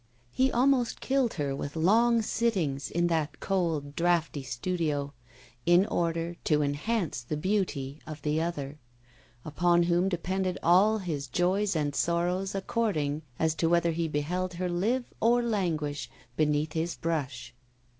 He almost killed her with long sittings in that cold draughty studio, in order to enhance the beauty of the other; upon whom depended all his joys and sorrows according as to whether he beheld her live or languish beneath his brush.